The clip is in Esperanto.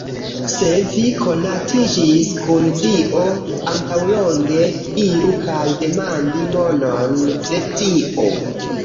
Se vi konatiĝis kun Dio antaŭlonge, iru kaj demandi monon de Dio